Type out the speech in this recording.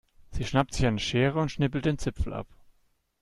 Sie schnappt sich eine Schere und schnippelt den Zipfel ab.